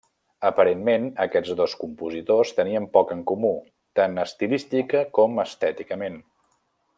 Aparentment, aquests dos compositors tenien poc en comú, tan estilística com estèticament.